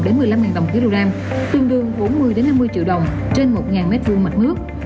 đến một mươi năm đồng một kg tương đương bốn mươi năm mươi triệu đồng trên một m hai mặt nước